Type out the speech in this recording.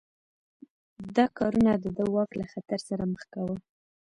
دا کارونه د ده واک له خطر سره مخ کاوه.